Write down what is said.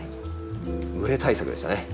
蒸れ対策でしたね。